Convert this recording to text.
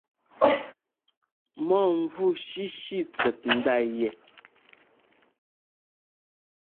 Mɔ̂mvú shíshí tsɛt ndá yɛ.